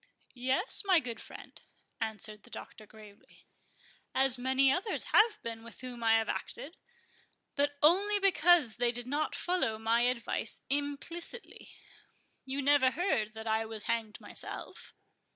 "Yes, my young friend," answered the Doctor, gravely, "as many others have been with whom I have acted; but only because they did not follow my advice implicitly. You never heard that I was hanged myself?"